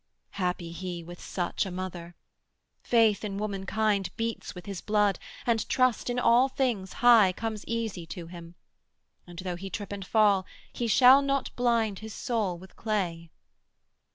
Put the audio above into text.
Happy he With such a mother! faith in womankind Beats with his blood, and trust in all things high Comes easy to him, and though he trip and fall He shall not blind his soul with clay.'